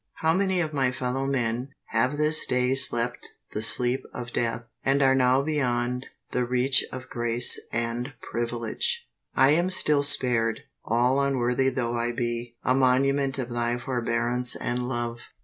How many of my fellow men have this day slept the sleep of death, and are now beyond the reach of grace and privilege! I am still spared, all unworthy though I be, a monument of Thy forbearance and love.